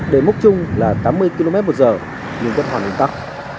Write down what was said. đề mốc chung là tám mươi km một giờ nhưng vẫn hoàn nguyên tắc